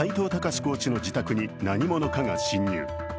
コーチの自宅に何者かが侵入。